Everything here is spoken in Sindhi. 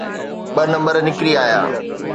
ٻه نمبر نڪري آيا.